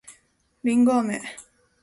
りんごあめ